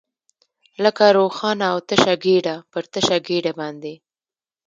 لکه روښانه او تشه ګېډه، پر تشه ګېډه باندې.